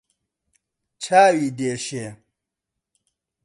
چاوی دێشێ